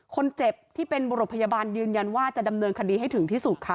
คนเจ็บที่เป็นบุรุษพยาบาลยืนยันว่าจะดำเนินคดีให้ถึงที่สุดค่ะ